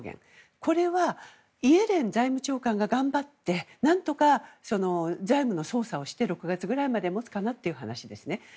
これはイエレン財務長官が頑張って何とか財務の操作をして６月くらいまで持つかなという話ですね。